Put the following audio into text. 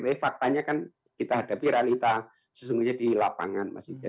tapi faktanya kan kita hadapi realita sesungguhnya di lapangan mas ika